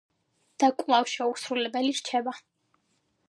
და კვლავ შეუსრულებელი რჩება.